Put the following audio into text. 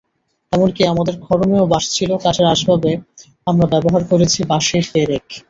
এমনকি আমাদের খড়মেও বাঁশ ছিল, কাঠের আসবাবে আমরা ব্যবহার করেছি বাঁশের পেরেক।